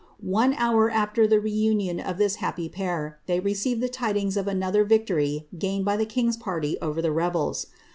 One hour after the reunion of tliis happy pair, they received the tidings of another victory piined by the king's party over the rebels.